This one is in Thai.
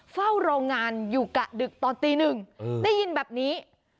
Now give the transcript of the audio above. เฝ้าโรงงานอยู่กะดึกตอนตีหนึ่งได้ยินแบบนี้